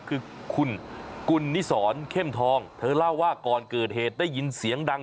คือคุณกุลนิสรเข้มทองเธอเล่าว่าก่อนเกิดเหตุได้ยินเสียงดัง